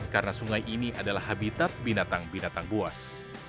karena sungai ini adalah habitat binatang binatang buas